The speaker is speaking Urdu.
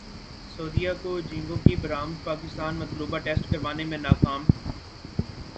سعودیہ کو جھینگوں کی برامد پاکستان مطلوبہ ٹیسٹ کروانے میں ناکام